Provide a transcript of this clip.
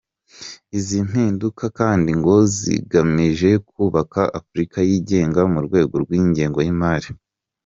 Izi mpinduka kandi ngo zigamije kubaka Afurika yigenga mu rwego rw’ingengo y’imari.